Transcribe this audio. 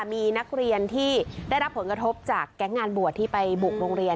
มีนักเรียนที่ได้รับผลกระทบจากแก๊งงานบวชที่ไปบุกโรงเรียน